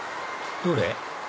どれ？